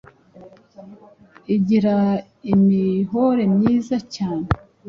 igira imihore myiza cyane